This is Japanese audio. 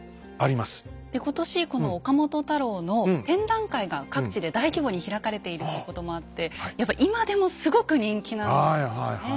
で今年この岡本太郎の展覧会が各地で大規模に開かれているということもあってやっぱり今でもすごく人気なんですよねえ。